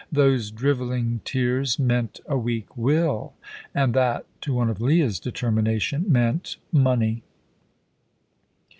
Those drivelling tears meant a weak will, and that, to one of Leah's determination, meant money.